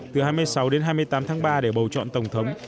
từ hai mươi sáu đến hai mươi tám tháng ba để bầu chọn tổng thống